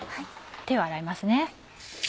手を洗いますね。